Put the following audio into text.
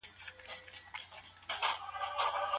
دغه سړی ولې هواګزي کوي؟